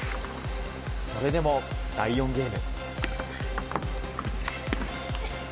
それでも第４ゲーム。